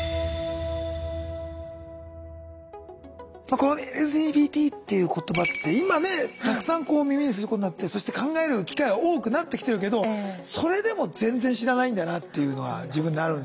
この「ＬＧＢＴ」っていう言葉って今ねたくさん耳にすることになってそして考える機会は多くなってきてるけどそれでも全然知らないんだよなっていうのは自分であるんですよね。